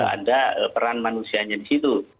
ada peran manusianya di situ